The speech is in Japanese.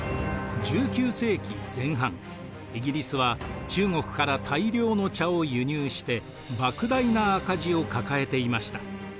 １９世紀前半イギリスは中国から大量の茶を輸入してばく大な赤字を抱えていました。